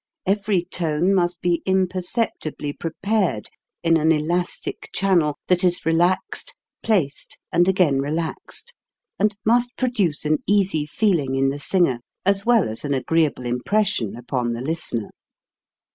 Every tone must be imperceptibly prepared in an elastic channel that is relaxed, placed, and again relaxed, and must produce an easy feeling in the singer, as well as an agreeable impression upon the listener.